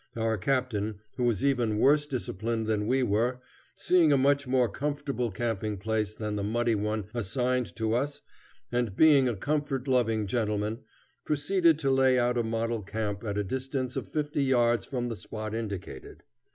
Our captain, who was even worse disciplined than we were, seeing a much more comfortable camping place than the muddy one assigned to us, and being a comfort loving gentleman, proceeded to lay out a model camp at a distance of fifty yards from the spot indicated.